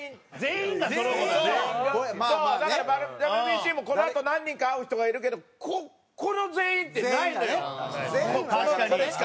ＷＢＣもこのあと何人か会う人がいるけどこの全員ってないのよこれしか。